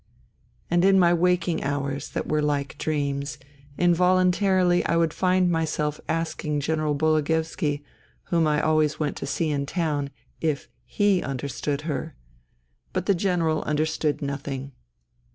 And in my waking hours, that were like dreams, involuntarily I would find myself asking General Bologoevski, whom I always went to see in town, if he " understood her." But the General understood nothing.